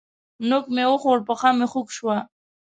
نوک مې وخوړ؛ پښه مې خوږ شوه.